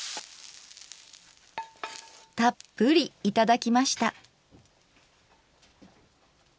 たっぷりいただきました。